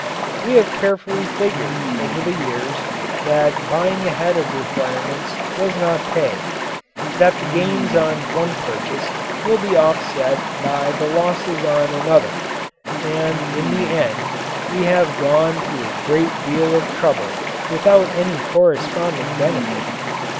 We have carefully figured, over the years, that buying ahead of requirements does not pay that the gains on one purchase will be offset by the losses on another, and in the end we have gone to a great deal of trouble without any corresponding benefit.